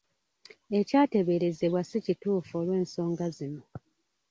Ekyateeberezebwa si kituufu olw'ensonga zino.